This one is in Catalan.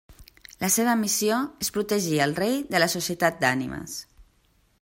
La seva missió és protegir el Rei de la Societat d'Ànimes.